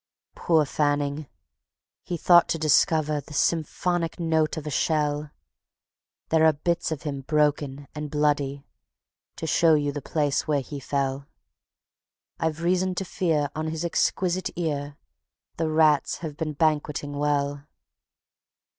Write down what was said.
Poor Fanning! He sought to discover the symphonic note of a shell; There are bits of him broken and bloody, to show you the place where he fell; I've reason to fear on his exquisite ear the rats have been banqueting well.